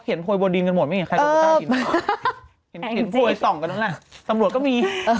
เห็นโครยส่องกันอีกนึงละสำรวจก็มี